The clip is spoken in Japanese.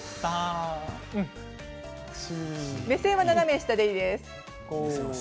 目線は斜め下でいいです。